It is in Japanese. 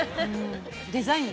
デザイン。